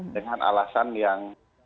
dengan alasan yang